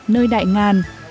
nơi đại ngàn